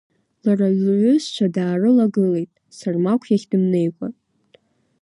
Лара лҩызцәа даарылагылеит, Сармақә иахь дымнеикәа.